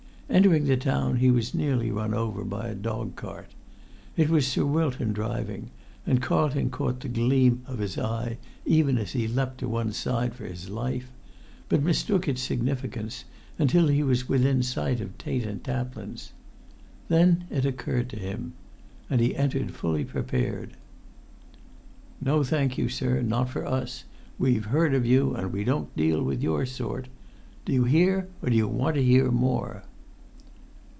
Entering the town he was nearly run over by a dogcart. It was Sir Wilton driving, and Carlton caught the gleam of his eye even as he leapt to one side for his life, but mistook its significance until he was within sight of Tait & Taplin's. Then it occurred to him, and he entered fully prepared. "No, thank you, sir—not for us! We've heard of you, and we don't deal with your sort. Do you hear, or do you want to hear more?"